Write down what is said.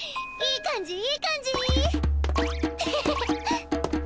いい感じいい感じ！